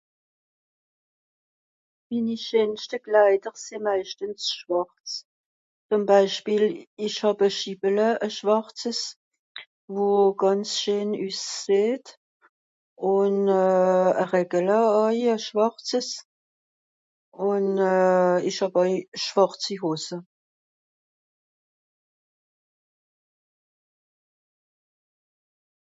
Minni scheenschte Kleider sìì meischtens schwàrz. Zùm Beispiel, ìch hàb e schiwele, e schwàrzes, wo gànz scheen üsseht ùn e regele àui, e schwàrzes. Ùn ìch àui schwàrzi Hose.